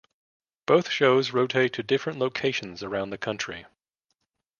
Both shows rotate to different locations around the country.